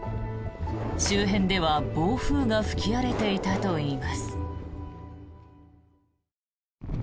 周辺では暴風が吹き荒れていたといいます。